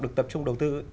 được tập trung đầu tư